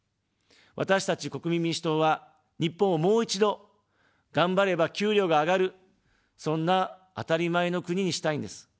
私たち国民民主党は、日本を、もう一度、がんばれば給料が上がる、そんな当たり前の国にしたいんです。